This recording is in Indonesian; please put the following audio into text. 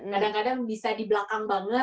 kadang kadang bisa di belakang banget